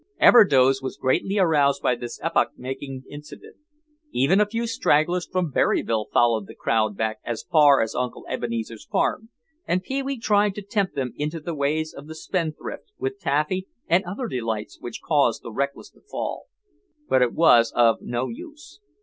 Everdoze was greatly aroused by this epoch making incident. Even a few stragglers from Berryville followed the crowd back as far as Uncle Ebenezer's farm and Pee wee tried to tempt them into the ways of the spendthrift with taffy and other delights which cause the reckless to fall. But it was of no use.